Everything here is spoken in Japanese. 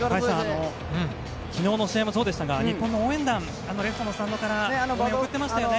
昨日の試合もそうでしたが日本の応援団レフトのスタンドから声援を送っていましたよね。